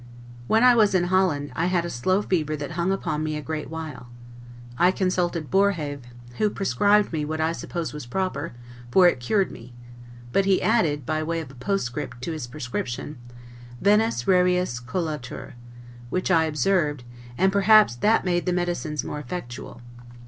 When I was in Holland, I had a slow fever that hung upon me a great while; I consulted Boerhaave, who prescribed me what I suppose was proper, for it cured me; but he added, by way of postscript to his prescription, 'Venus rarius colatur'; which I observed, and perhaps that made the medicines more effectual.